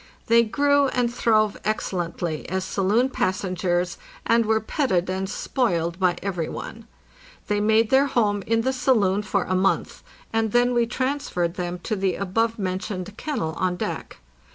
They grew and throve excellently as saloon passengers, and were petted and spoiled by every one. They made their home in the saloon for a month, and then we transferred them to the above mentioned kennel on deck.